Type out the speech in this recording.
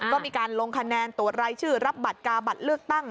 ก็มีการลงคะแนนตรวจรายชื่อรับบัตรกาบัตรเลือกตั้ง